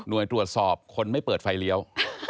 โดยตรวจสอบคนไม่เปิดไฟเลี้ยว